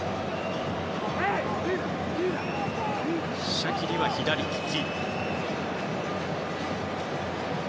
シャキリは左利き。